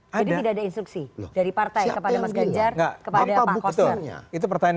jadi tidak ada instruksi dari partai kepada mas ganjar